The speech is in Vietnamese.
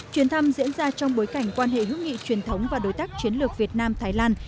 chuyến thăm diễn ra trong bối cảnh quan hệ hữu nghị truyền thống và đối tác chiến lược việt nam thái lan